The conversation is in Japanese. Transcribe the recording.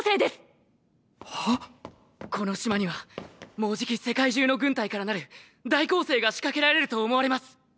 この島にはもうじき世界中の軍隊からなる大攻勢が仕掛けられると思われます！